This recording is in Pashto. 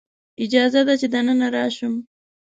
اجازه ده چې دننه راشم؟